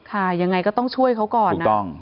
ค่ะยังไงก็ต้องช่วยเขาก่อนนะ